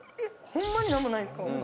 「ホンマになんもないんですか？」